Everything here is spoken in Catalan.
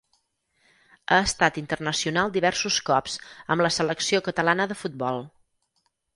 Ha estat internacional diversos cops amb la selecció catalana de futbol.